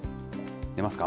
出ますか？